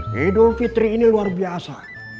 hidup fitri ini luar biasa